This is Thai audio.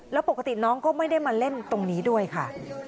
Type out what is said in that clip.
แล้วปกติน้องก็ไม่ได้มาเล่นตรงนี้ด้วยค่ะ